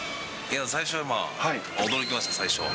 最初まあ、驚きました、最初は。